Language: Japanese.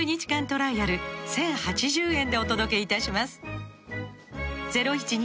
トライアル１０８０円でお届けいたします